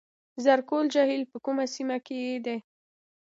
زرکول جهیل په کومه سیمه کې دی؟